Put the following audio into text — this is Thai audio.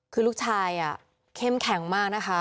คือลูกชายเข้มแข็งมากนะคะ